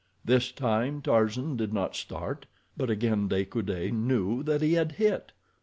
This time Tarzan did not start, but again De Coude knew that he had hit.